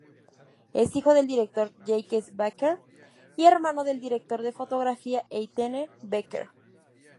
Es hijo del director Jacques Becker y hermano del director de fotografía Étienne Becker.